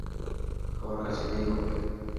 আমার কাছে দিন ওকে!